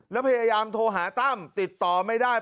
แล้วพยายามโทรหาตั้มติดต่อไม่ได้